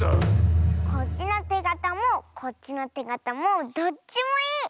こっちのてがたもこっちのてがたもどっちもいい！